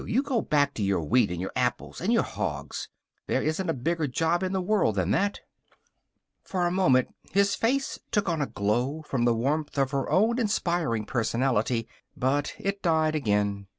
You go back to your wheat and your apples and your hogs. There isn't a bigger job in the world than that." For a moment his face took on a glow from the warmth of her own inspiring personality. But it died again.